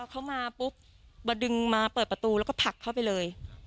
เขามาปุ๊บมาดึงมาเปิดประตูแล้วก็ผลักเข้าไปเลย